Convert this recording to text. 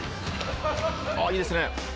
あいいですね。